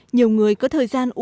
nhiều người có thời gian tìm hiểu